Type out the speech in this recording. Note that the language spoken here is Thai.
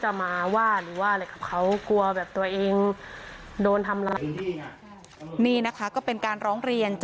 จากทางที่นี่